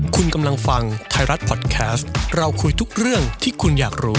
คุณกำลังฟังไทยรัฐพอดแคสต์เราคุยทุกเรื่องที่คุณอยากรู้